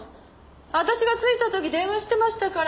私が着いた時電話してましたから。